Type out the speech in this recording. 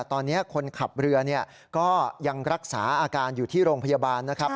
ตอนนี้คนขับเรือก็ยังรักษาอาการอยู่ที่โรงพยาบาลนะครับ